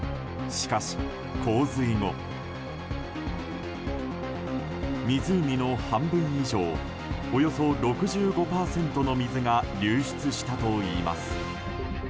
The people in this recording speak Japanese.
しかし、洪水後湖の半分以上およそ６５％の水が流出したといいます。